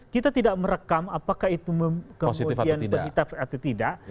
kita tidak merekam apakah itu kemudian positif atau tidak